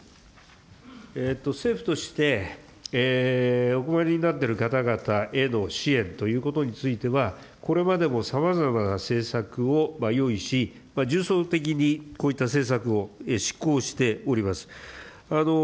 政府として、お困りになっている方々への支援ということについては、これまでもさまざまな政策を用意し、重層的にこういった政策を執行しております。